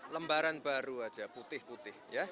lembaran baru aja putih putih ya